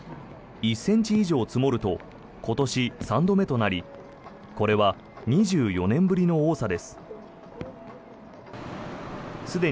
１ｃｍ以上積もると今年３度目となりこれは２４年ぶりの多さです。